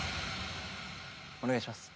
お願いします。